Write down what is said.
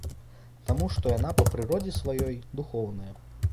Таму што яна па прыродзе сваёй духоўная.